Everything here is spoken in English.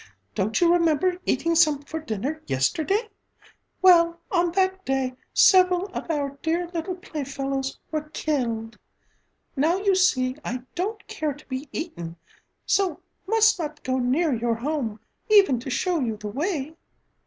Don't you remember eating some for dinner yesterday? Well, on that day several of our dear little playfellows were killed. Now you see I don't care to be eaten, so must not go near your home, even to show you the way."